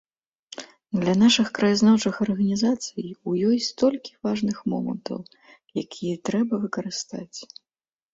Для нашых краязнаўчых арганізацый у ёй столькі важных момантаў, якія трэба выкарыстаць.